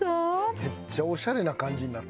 めっちゃオシャレな感じになって。